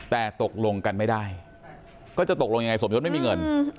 แต่ตกลงกันไม่ได้ก็จะตกลงยังไงสมยศไม่มีเงิน